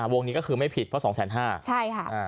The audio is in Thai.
วงนี้ก็คือไม่ผิดเพราะ๒๕๐๐ใช่ค่ะ